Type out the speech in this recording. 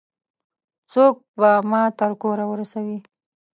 څوک به ما تر کوره ورسوي؟